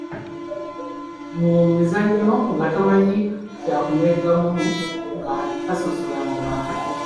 Mu mizannyo nga tomanyi ky'amegganamu, nga tasosola mu bantu.